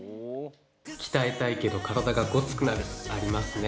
鍛えたいけど体がゴツくなる。ありますね。